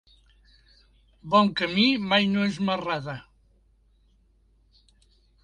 Bon camí mai no és marrada.